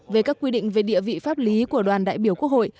về các quy định về địa vị pháp lý của đoàn đại biểu quốc hội